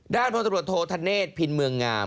ด้านพลตำรวจโทษทะเนธพินเมืองงาม